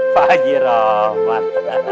pak haji rahman